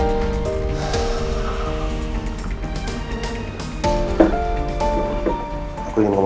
masa sekarang ambil piliknya mau ambil